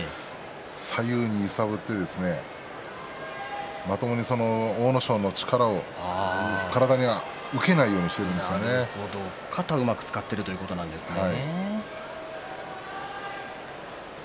左右に揺さぶってまともに阿武咲の力を体に受けないように肩をうまく使っているということなんですね。